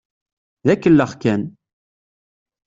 D akellex kan.